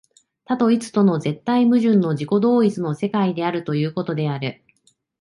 多と一との絶対矛盾の自己同一の世界であるということである。